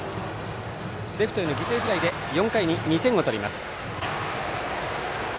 レフトへの犠牲フライで４回に２点を取ります。